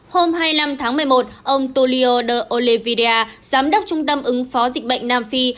hôm hai mươi năm tháng một mươi một ông tolio de olevia giám đốc trung tâm ứng phó dịch bệnh nam phi